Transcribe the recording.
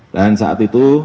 dan saat itu